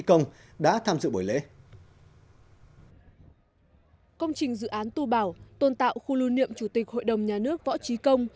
công trình dự án tu bảo tồn tạo khu lưu niệm chủ tịch hội đồng nhà nước võ trí công